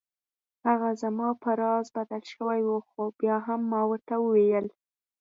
هغه زما په راز بدل شوی و خو بیا هم ما ورته وویل.